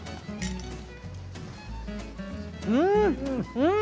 うん！